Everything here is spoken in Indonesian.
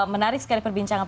menarik sekali perbincangan